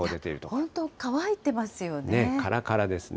本当乾いてますよね。